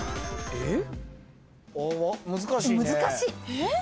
えっ？